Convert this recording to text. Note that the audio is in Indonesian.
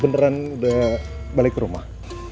beneran udah balik ke rumah